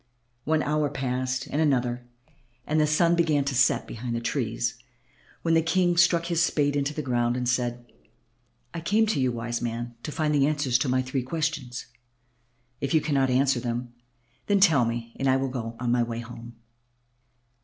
One hour passed and another; the sun began to set behind the trees when the King stuck his spade into the ground and said, "I came to you, wise man, to find the answers to my three questions. If you cannot answer them, then tell me and I will go my way home."